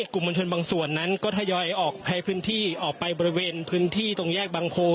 กลุ่มมวลชนบางส่วนนั้นก็ทยอยออกให้พื้นที่ออกไปบริเวณพื้นที่ตรงแยกบางโพ